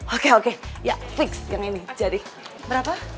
oke oke ya fix yang ini jadi berapa